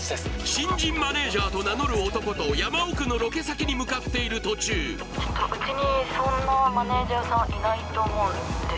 新人マネージャーと名乗る男と山奥のロケ先に向かっている途中☎うちにそんなマネージャーさんいないと思うんです